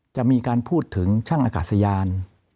จะมีการพูดถึงช่างอากาศยาน